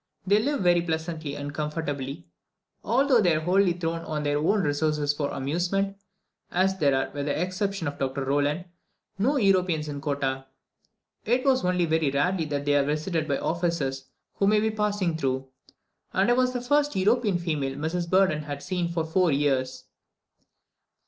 They live very pleasantly and comfortably, although they are wholly thrown on their own resources for amusement, as there are, with the exception of Dr. Rolland, no Europeans in Kottah. It is only very rarely that they are visited by officers who may be passing through, and I was the first European female Mrs. Burdon had seen for four years.